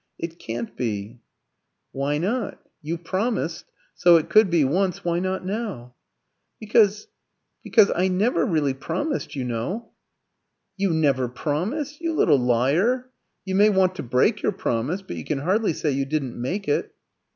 It can't be." "Why not? You promised; so it could be once, why not now?" "Because because I never really promised, you know." "You never promised! You little liar! You may want to break your promise, but you can hardly say you didn't make it."